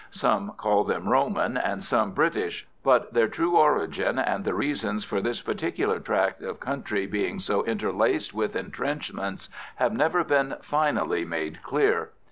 Some call them Roman and some British, but their true origin and the reasons for this particular tract of country being so interlaced with entrenchments have never been finally made clear.